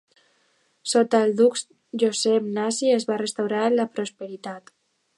Sota el duc Josep Nasi es va restaurar la prosperitat.